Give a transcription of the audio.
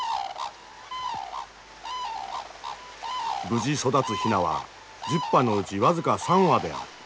無事育つヒナは１０羽のうち僅か３羽である。